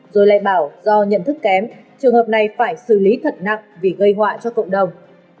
rồi lại bảo do nhận thức kém trường hợp này phải xử lý thật nặng vì gây họa cho cộng đồng